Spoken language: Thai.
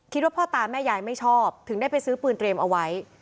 พ่อตาแม่ยายไม่ชอบถึงได้ไปซื้อปืนเตรียมเอาไว้